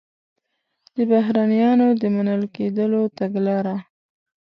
د بهرنیانو د منل کېدلو تګلاره